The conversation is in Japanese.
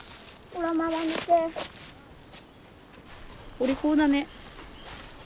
お利口だね。